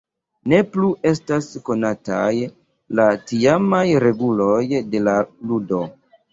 Ne plu estas konataj la tiamaj reguloj de la ludo.